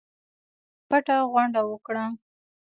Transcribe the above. پټه غونډه وکړه.